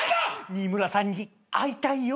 新村さんに会いたいよ。